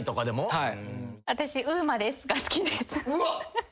はい。